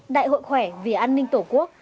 đại hội khỏe vì an ninh tổ quốc